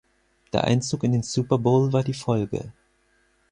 Der Einzug in den Super Bowl war die Folge.